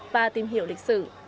và tìm hiểu lịch sử